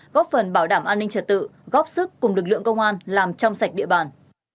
góp phần bảo đảm an ninh trật tự góp sức cùng lực lượng công an làm trong sạch địa bàn